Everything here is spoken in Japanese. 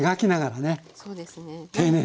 そうですね。